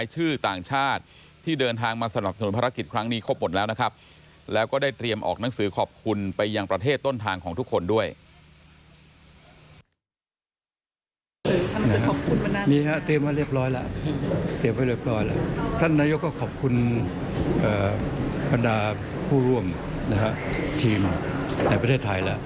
ฮท่านนายก็ขอบคุณบรรดาผู้ร่วมหลักโดยทีมในประเทศไทยล่ะ